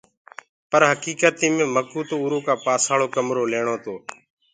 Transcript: پر هڪيڪتي مي مڪوُ تو اُرو ڪآ پآسآݪو ڪسمو ليڻتو۔